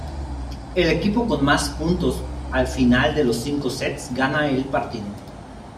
El equipo con más puntos al final de los cinco sets gana el partido.